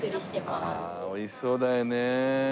ああおいしそうだよねえ。